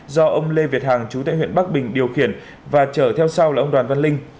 do ông lê việt hằng chú tại huyện bắc bình điều khiển và chở theo sau là ông đoàn văn linh